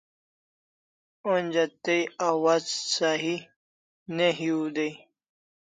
Onja tai awaz sahi ne hiu dai